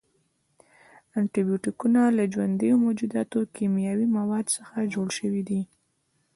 انټي بیوټیکونه له ژوندیو موجوداتو، کیمیاوي موادو څخه جوړ شوي دي.